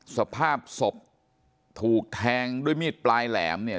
สภาพศพถูกแทงด้วยมีดปลายแหลมเนี่ย